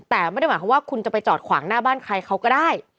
แต่ไม่ได้หมายความว่าคุณจะไปจอดขวางหน้าบ้านใครเขาก็ได้